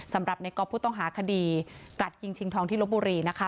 สำหรับในก๊อฟผู้ต้องหาคดีกรัดยิงชิงทองที่ลบบุรีนะคะ